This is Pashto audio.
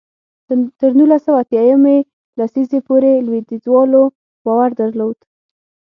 تر نولس سوه اتیا یمې لسیزې پورې لوېدیځوالو باور درلود.